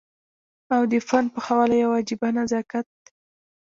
او د فن په حواله يو عجيبه نزاکت